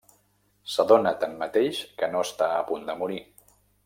S'adona tanmateix que no està a punt de morir.